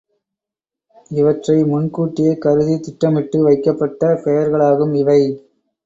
இவற்றை முன்கூட்டியே கருதித் திட்டமிட்டு வைக்கப்பட்ட பெயர்களாகும் இவை.